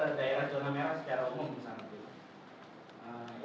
atau ke daerah zona merah secara umum misalnya